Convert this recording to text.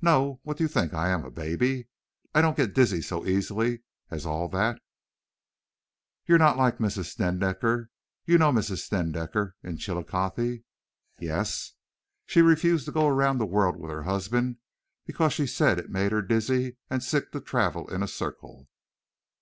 "No. What do you think I am, a baby? I don't get dizzy so easily as all that." "You're not like Mrs. Snedeker you know Mrs. Snedeker in Chillicothe?" "Yes." "She refused to go around the world with her husband because she said it made her dizzy and sick to travel in a circle."